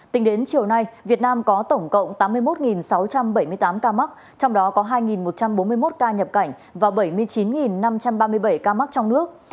tính đến chiều nay việt nam có tổng cộng tám mươi một sáu trăm bảy mươi tám ca mắc trong đó có hai một trăm bốn mươi một ca nhập cảnh và bảy mươi chín năm trăm ba mươi bảy ca mắc trong nước